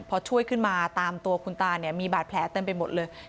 พอช่วยขึ้นมาตามตัวคุณตาเนี่ยมีบาดแผลเต็มไปหมดเลย